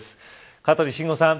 香取慎吾さん